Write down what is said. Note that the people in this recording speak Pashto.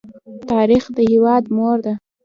تاریخ د هېواد مور ده.